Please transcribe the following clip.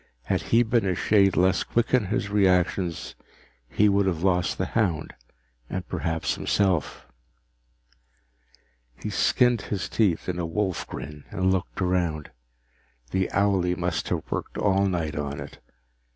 Had he been a shade less quick in his reactions, he would have lost the hound and perhaps himself. He skinned his teeth in a wolf grin and looked around. The owlie must have worked all night on it.